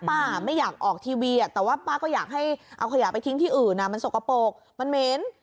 ไม่อยากออกทีวีแต่ว่าป้าก็อยากให้เอาขยะไปทิ้งที่อื่นมันสกปรกมันเหม็น